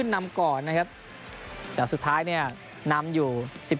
แต่สุดท้ายเนี่ยนำอยู่๑๙๑๘